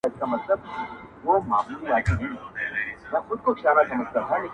• پر ما تور د میني تور دی لګېدلی تورن نه یم,